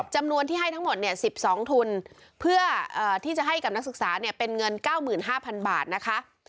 จำนวนที่ให้ทั้งหมด๑๒ทุนเพื่อที่จะให้กับนักศึกษาเป็นเงิน๙๕๐๐๐บาทนะคะ